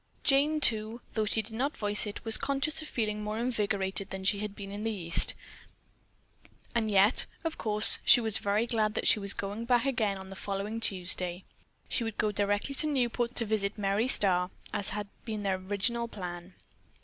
Jane, too, though she did not voice it, was conscious of feeling more invigorated than she had been in the East, and yet, of course, she was very glad that she was going back again on the following Tuesday. She would go directly to Newport to visit Merry Starr, as had been their original plan.